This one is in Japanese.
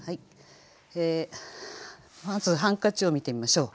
まず「ハンカチ」を見てみましょう。